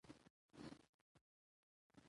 د سلیمان غر د ساتنې لپاره قوانین شته.